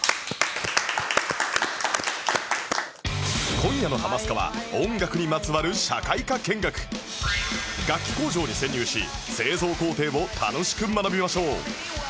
今夜の『ハマスカ』は楽器工場に潜入し製造工程を楽しく学びましょう